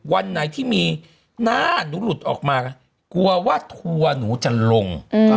วันไหนที่มีหน้าหนูหลุดออกมากลัวว่าทัวร์หนูจะลง